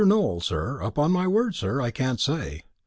Nowell, sir; upon my word, sir, I can't say.